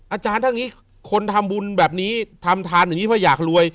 อาจารย์ถ้าอย่างนี้คนทำบุญแบบนี้ทำทานอย่างนี้เพราะอยากรวย